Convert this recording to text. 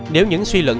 nếu những suy luận